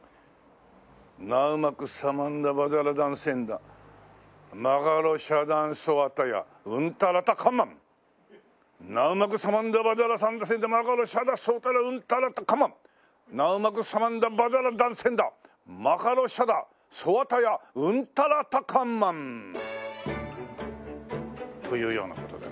「ナウマクサマンダバザラダンセンダマカロシャダソワタヤウンタラタカンマン」「ナウマクサマンダバザラダンセンダマカロシャダソワタヤウンタラタカンマン」「ナウマクサマンダバザラダンセンダマカロシャダソワタヤウンタラタカンマン」というような事でね。